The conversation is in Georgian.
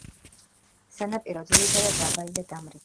სანაპირო ძირითადად დაბალი და დამრეცია.